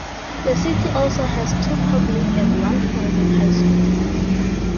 The city also has two public and one private high school.